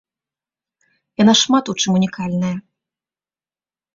Яна шмат у чым унікальная.